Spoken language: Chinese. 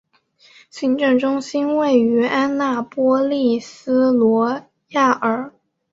行政中心位于安纳波利斯罗亚尔。